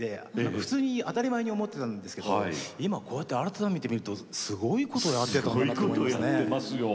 普通に当たり前に思ってたんですけど今こうやって改めて見るとすごいことやってたんだなって思いますね。